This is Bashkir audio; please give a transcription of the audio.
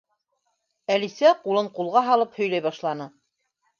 Әлисә ҡулын ҡулға һалып һөйләй башланы: